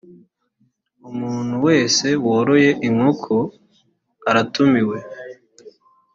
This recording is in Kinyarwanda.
umuntu wese woroye inkoko aratumiwe.